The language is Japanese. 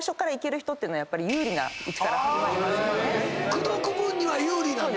口説く分には有利なんだ。